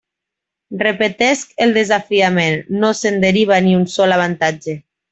Repetesc el desafiament; no se'n deriva ni un sol avantatge.